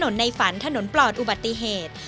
ถนนในฝันถนนปลอดอุบัติเหตุ